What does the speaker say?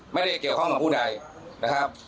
ไม่ได้เกี่ยวข้องกับผู้ใดนะครับ